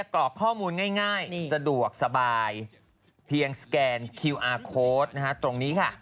ก็น่ากล่วงนะ